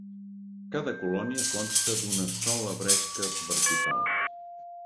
Cada colònia consta d'una sola bresca vertical.